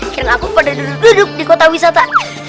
kira kira aku dulu kdo duduk di kota wisata